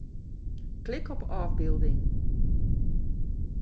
Klik op ôfbylding.